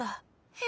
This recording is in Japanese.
え？